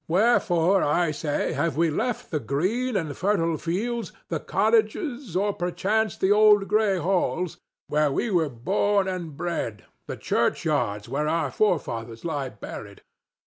Wherefore, I say, have we left the green and fertile fields, the cottages, or, perchance, the old gray halls, where we were born and bred, the churchyards where our forefathers lie buried?